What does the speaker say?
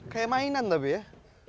kayak mainan tapi ya